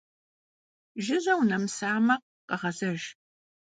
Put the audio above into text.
Жыжьэ унэмысамэ, къэгъэзэж.